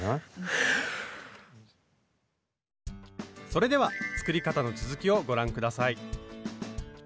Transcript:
それでは作り方の続きをご覧下さい。